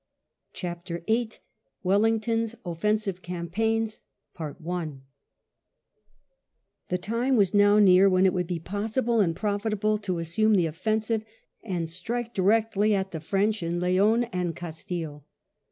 CHAPTEE VIII Wellington's offensive campaigns The time was now near when it would be possible and profitable to assume the offensive, and strike directly at the French in Leon and Castille.